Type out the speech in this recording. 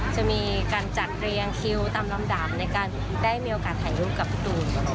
จะมีการจัดเรียงคิวตามลำดับในการได้มีโอกาสถ่ายรูปกับพี่ตูน